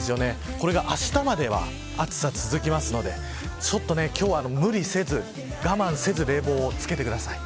これがあしたまでは暑さが続くので今日は無理せず我慢せず冷房をつけてください。